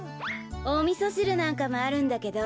おみそしるなんかもあるんだけど。